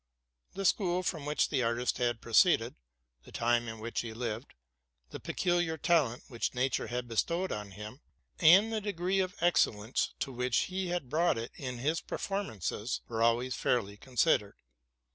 The school from which the artist had proceeded, the time in which he lived, the peculiar talent which nature had bestowed on him, and the degree of excel lence to which he had brought it in his performances, were always fairly considered.